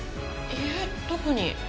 いえ特に。